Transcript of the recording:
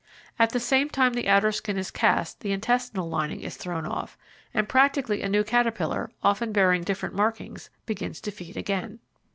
At the same time the outer skin is cast the intestinal lining is thrown off, and practically a new caterpillar, often bearing different markings, begins to feed again.